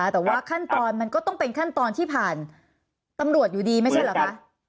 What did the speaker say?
แต่ว่าขั้นตอนมันก็ต้องเป็นขั้นตอนที่ผ่านตำรวจอยู่ดีไม่ใช่เหรอคะ